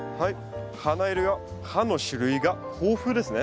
花色や葉の種類が豊富ですね。